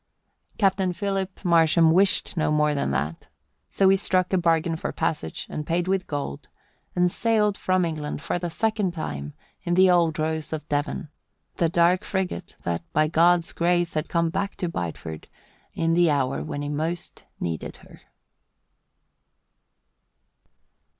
Captain Philip Marsham wished no more than that. So he struck a bargain for passage, and paid with gold, and sailed from England for the second time in the old Rose of Devon, the dark frigate that by God's grace had come back to Bideford in the hour when he most needed her.